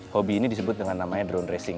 hobi ini disebut dengan namanya drone racing